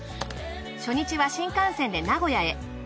初日は新幹線で名古屋へ。